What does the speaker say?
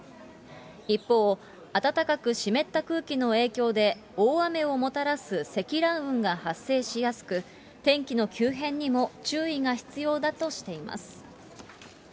一方、暖かく湿った空気の影響で、大雨をもたらす積乱雲が発生しやすく、天気の急変にも注意が必要だとしています。